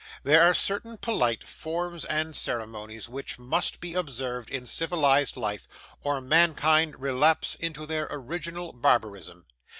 There are certain polite forms and ceremonies which must be observed in civilised life, or mankind relapse into their original barbarism.